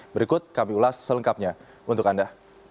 berikut kami ulas selengkapnya untuk anda